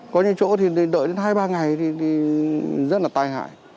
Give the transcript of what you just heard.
có những chỗ thì đợi đến hai ba ngày thì rất là tai hại